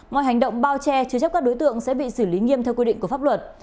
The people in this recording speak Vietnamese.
mọi hành động bao che chứa chấp các đối tượng sẽ bị xử lý nghiêm theo quy định của pháp luật